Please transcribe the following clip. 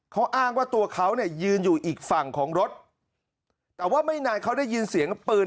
เขาอ้างว่าตัวเขาเนี่ยยืนอยู่อีกฝั่งของรถแต่ว่าไม่นานเขาได้ยินเสียงปืน